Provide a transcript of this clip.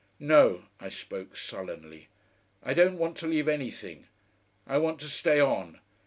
"No." I spoke sullenly. "I don't want to leave anything. I want to stay on.